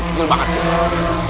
kecil banget tuh